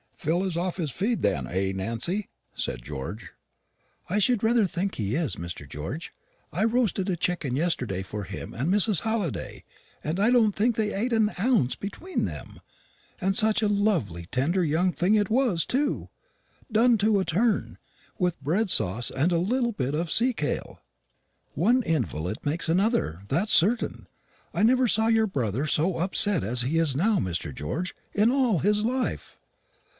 "Phil is off his feed, then; eh, Nancy?" said George. "I should rather think he is, Mr. George. I roasted a chicken yesterday for him and Mrs. Halliday, and I don't think they eat an ounce between, them; and such a lovely tender young thing as it was too done to a turn with bread sauce and a little bit of sea kale. One invalid makes another, that's certain. I never saw your brother so upset as he is now, Mr. George, in all his life.